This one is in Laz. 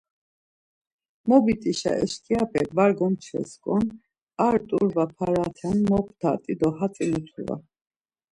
Mobit̆işa eşkiyapek var gomçvesǩon ar t̆uvra para te moptat̆i do hatzi mutu var.